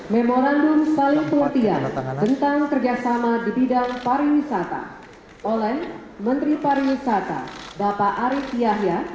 memorandum saling pengertian tentang kerjasama di bidang pariwisata oleh menteri pariwisata bapak arief yahya